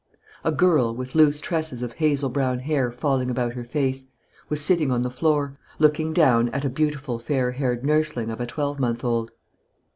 A girl, with loose tresses of hazel brown hair falling about her face, was sitting on the floor, looking down at a beautiful fair haired nursling of a twelvemonth old.